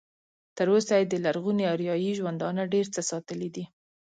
تر اوسه یې د لرغوني اریایي ژوندانه ډېر څه ساتلي دي.